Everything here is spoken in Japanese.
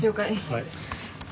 はい。